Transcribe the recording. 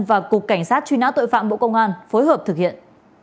và cục cảnh sát truy nã tội phạm bộ công an phối hợp thực hiện